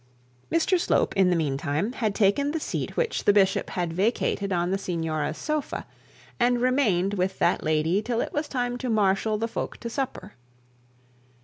Mr Slope in the mean time had taken the seat which the bishop had vacated on the signora's sofa, and remained with that lady till it was time to marshal the folk to supper.